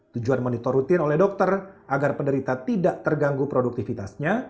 tujuan monitor rutin oleh dokter agar penderita tidak terganggu produktivitasnya